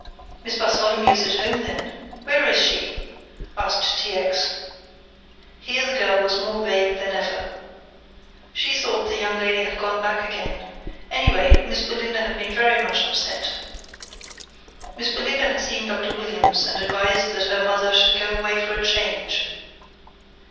"Miss Bartholomew is home then. Where is she?" asked T. X. Here the girl was more vague than ever. She thought the young lady had gone back again, anyway Miss Belinda had been very much upset. Miss Belinda had seen Dr. Williams and advised that her mother should go away for a change.